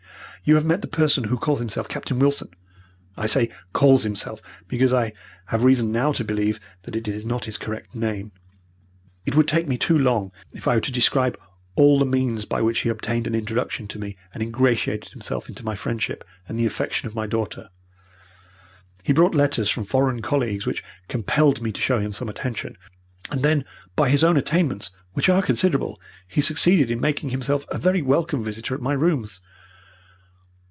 "You have met the person who calls himself Captain Wilson. I say 'calls himself' because I have reason now to believe that it is not his correct name. It would take me too long if I were to describe all the means by which he obtained an introduction to me and ingratiated himself into my friendship and the affection of my daughter. He brought letters from foreign colleagues which compelled me to show him some attention. And then, by his own attainments, which are considerable, he succeeded in making himself a very welcome visitor at my rooms.